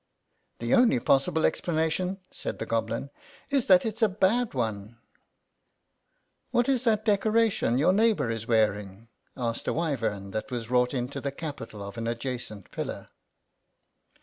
"The only possible explanation," said the Goblin, " is that it's a bad one." " What is that decoration your neighbour is wearing ?" asked a wyvern that was wrought into the capital of an adjacent pillar.